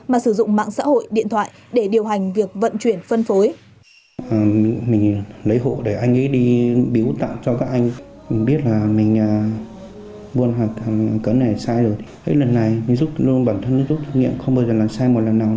mà sử dụng mạng xã hội điện thoại để điều hành việc vận chuyển phân phối